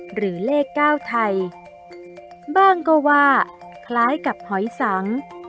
หรือเลข๙ไทยบ้างก็ว่าคล้ายกับหอยสัง